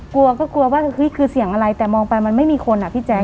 กลัวก็กลัวว่าเฮ้ยคือเสียงอะไรแต่มองไปมันไม่มีคนอ่ะพี่แจ๊